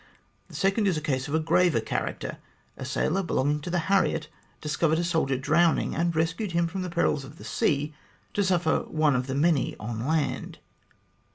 The second is a case of a graver character. A sailor belonging to the Harriet discovered a soldier drowning, and rescued him from the perils of the sea to suffer one of the many on land.